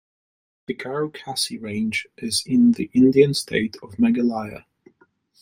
The Garo-Khasi range is in the Indian state of Meghalaya.